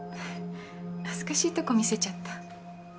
恥ずかしいとこ見せちゃった。